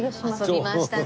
遊びましたね！